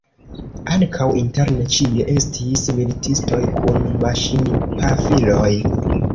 Ankaŭ interne ĉie estis militistoj kun maŝinpafiloj.